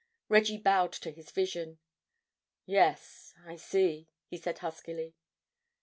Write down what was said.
Reggie bowed to his vision. "Yes, I see," he said huskily.